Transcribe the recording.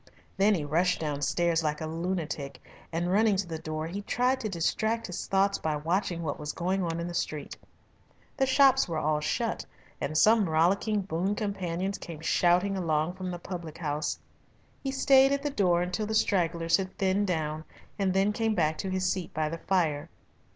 Then he rushed downstairs like a lunatic, and running to the door he tried to distract his thoughts by watching what; was going on in the street. The shops were all shut, and some rollicking boon companions came shouting along from the public house. He stayed at the door until the stragglers had thinned down, and then came back to his seat by the fire.